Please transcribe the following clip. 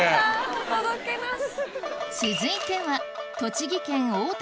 お届けなし。